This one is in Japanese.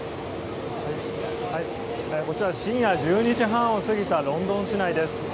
こちら深夜１２時半を過ぎたロンドン市内です。